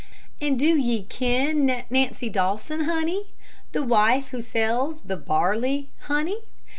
And do ye ken Nancy Dawson, honey? The wife who sells the barley, honey?